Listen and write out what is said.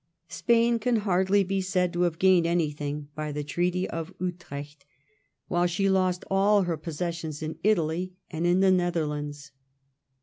Spain can hardly be said to have gained anything by the Treaty of Utf fecht, while she lost aU her possessions in Italy and in the Nether lands.